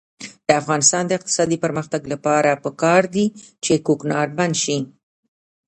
د افغانستان د اقتصادي پرمختګ لپاره پکار ده چې کوکنار بند شي.